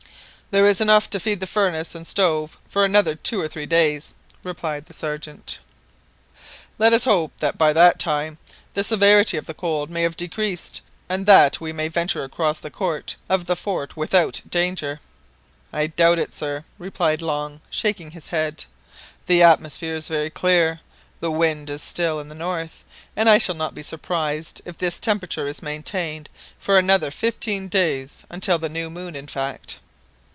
"There is enough to feed the furnace and stove for another two or three days," replied the Sergeant. "Let us hope by that time that the severity of the cold may have decreased, and that we may venture across the court of the fort without danger." "I doubt it, sir," replied Long, shaking his head. "The atmosphere is very clear, the wind is still in the north, and I shall not be surprised if this temperature is maintained. for another fifteen days until the new moon, in fact."